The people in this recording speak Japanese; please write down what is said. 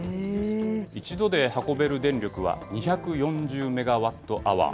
一度で運べる電力は２４０メガワットアワー。